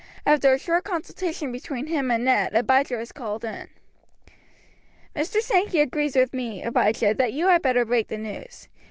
After a short consultation between him and Ned, Abijah was called in. "Mr. Sankey agrees with me, Abijah, that you had better break the news.